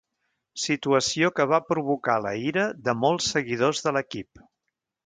Situació que va provocar la ira de molts seguidors de l'equip.